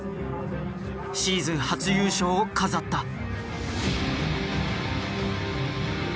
シーズン初優勝を飾った。